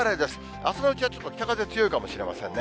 あすのうちはちょっと北風強いかもしれませんね。